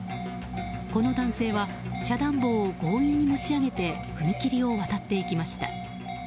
この男性は遮断棒を強引に持ち上げて踏切を渡っていきました。